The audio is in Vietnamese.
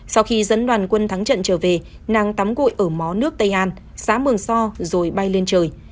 sau khi dẫn đoàn quân thắng trận trở về nàng tắm gội ở mó nước tây an xã mường so rồi bay lên trời